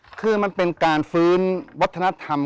เหมือนเล็บแต่ของห้องเหมือนเล็บตลอดเวลา